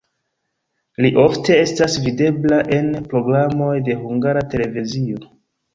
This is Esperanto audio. Li ofte estas videbla en programoj de Hungara Televizio.